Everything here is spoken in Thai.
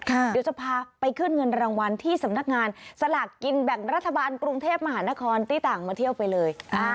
เดี๋ยวจะพาไปขึ้นเงินรางวัลที่สำนักงานสลากกินแบ่งรัฐบาลกรุงเทพมหานครที่ต่างมาเที่ยวไปเลย